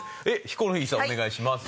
ヒコロヒーさんお願いします。